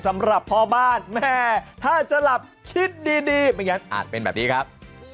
สำหรับพ่อบ้านแม่ถ้าจะหลับคิดดีไม่งั้นอาจเป็นแบบนี้ครับ